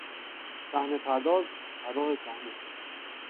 صحنهپرداز، طراح صحنه